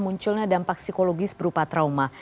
munculnya dampak psikologis berupa trauma